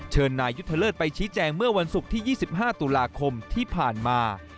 นายยุทธเลิศไปชี้แจงเมื่อวันศุกร์ที่๒๕ตุลาคมที่ผ่านมา